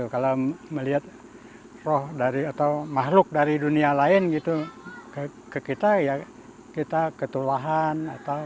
kalau melihat roh atau makhluk dari dunia lain ke kita kita ketulahan